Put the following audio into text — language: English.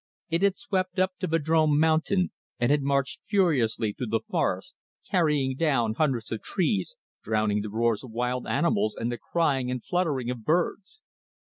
It had swept up to Vadrome Mountain, and had marched furiously through the forest, carrying down hundreds of trees, drowning the roars of wild animals and the crying and fluttering of birds.